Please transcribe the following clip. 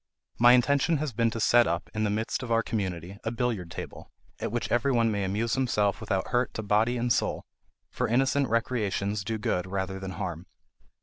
My intention has been to set up, in the midst of our community, a billiard table, at which every one may amuse himself without hurt to body and soul; for innocent recreations do good rather than harm.